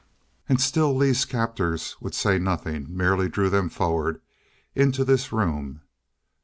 And still Lee's captors would say nothing, merely drew them forward, into this room.